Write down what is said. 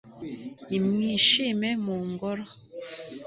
nimwishime, mu ngoro